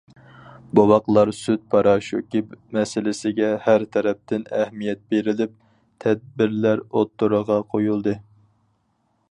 بوۋاقلار سۈت پاراشوكى مەسىلىسىگە ھەر تەرەپتىن ئەھمىيەت بېرىلىپ، تەدبىرلەر ئوتتۇرىغا قويۇلدى.